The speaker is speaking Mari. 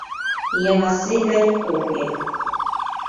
ЯВАСЕ ГАЙ КОФЕ